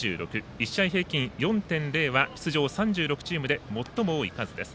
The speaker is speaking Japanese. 一試合平均４．０は出場３６チームで最も多い数です。